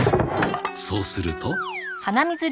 そうすると。